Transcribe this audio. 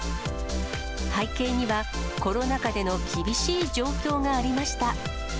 背景には、コロナ禍での厳しい状況がありました。